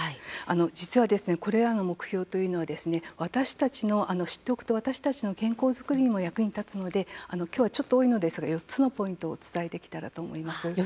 実は、これらの目標というのは私たちの健康作りにも役に立つので今日はちょっと多いのですが４つのポイントをお伝えできればと思います。